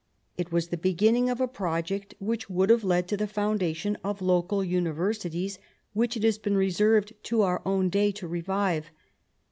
It was the beginning of a project which would have led to the foundation of local universities, which it has been reserved to our own day to revive.